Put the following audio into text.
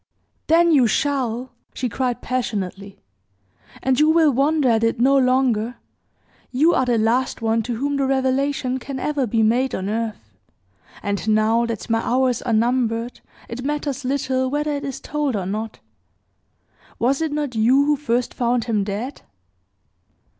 "Then you shall!" she cried, passionately. "And you will wonder at it no longer! You are the last one to whom the revelation can ever be made on earth; and, now that my hours are numbered, it matters little whether it is told or not! Was it not you who first found him dead?"